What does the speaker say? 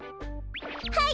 はい！